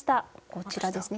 こちらですね。